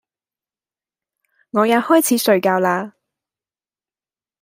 我也開始睡覺啦！